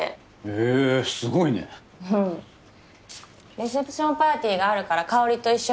レセプションパーティーがあるからかおりと一緒に来ないか？